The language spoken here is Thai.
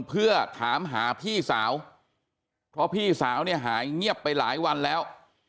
เพื่อถามหาพี่สาวเพราะพี่สาวเนี่ยหายเงียบไปหลายวันแล้ว